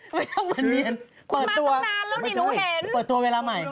เปิดตัวเวลาใหม่